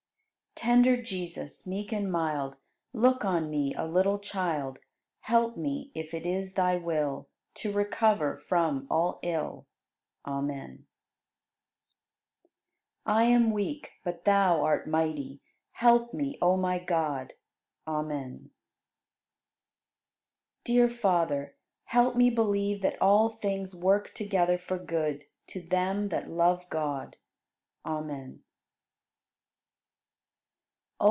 64. Tender Jesus, meek and mild, Look on me, a little child; Help me, if it is Thy will, To recover from all ill. Amen. 65. I am weak, but Thou art mighty. Help me, O my God! Amen. 66. Dear Father, help me believe that all things work together for good to them that love God. Amen.